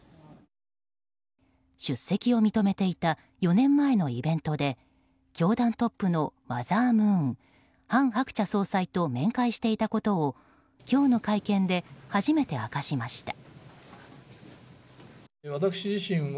出席を認めていた４年前のイベントで教団トップのマザームーン韓鶴子総裁と面会していたことを今日の会見で初めて明かしました。